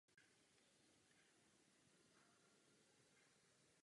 Dodnes se jejích hudebních nosičů prodalo více než milion.